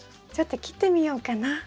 ちょっと切ってみようかな。